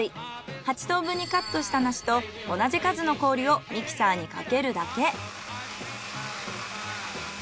８等分にカットした梨と同じ数の氷をミキサーにかけるだけ。